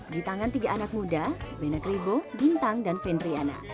di tangan tiga anak muda benek ribo bintang dan fendriana